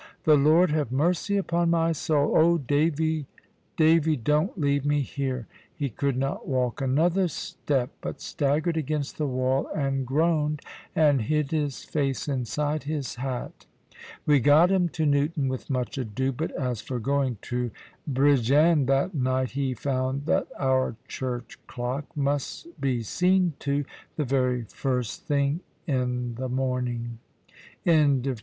The Lord have mercy upon my soul! Oh Davy, Davy! don't leave me here." He could not walk another step, but staggered against the wall and groaned, and hid his face inside his hat. We got him to Newton with much ado; but as for going to Bridgend that night, he found that our church clock must be seen to, the very first thing in the morning. CHAPTER XVI.